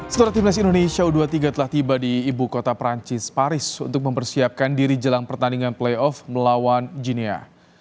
setelah timnas indonesia u dua puluh tiga telah tiba di ibu kota perancis paris untuk mempersiapkan diri jelang pertandingan playoff melawan ginia